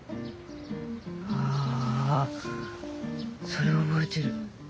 あそれは覚えてる。